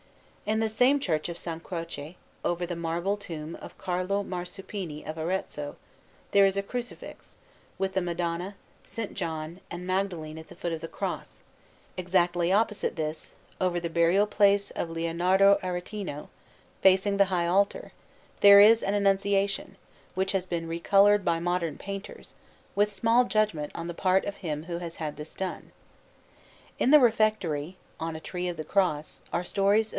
In the same Church of S. Croce, over the marble tomb of Carlo Marsuppini of Arezzo, there is a Crucifix, with the Madonna, S. John, and Magdalene at the foot of the Cross; and on the other side of the church, exactly opposite this, over the burial place of Lionardo Aretino, facing the high altar, there is an Annunciation, which has been recoloured by modern painters, with small judgment on the part of him who has had this done. In the refectory, on a Tree of the Cross, are stories of S.